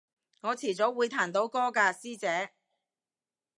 我遲早會彈到歌㗎師姐